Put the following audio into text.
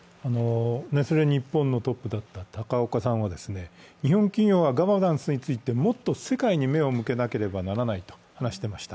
ネスレ日本のトップだった高岡さんは日本企業はガバナンスについてもっと世界に目を向けなければならないと話していました。